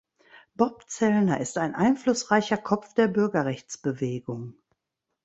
Bob Zellner ist ein einflussreicher Kopf der Bürgerrechtsbewegung.